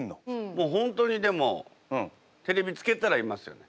もう本当にでもテレビつけたらいますよね。